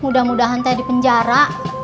mudah mudahan saya di penjara